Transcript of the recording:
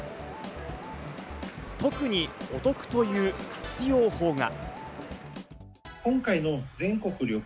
特にお得という活用法が。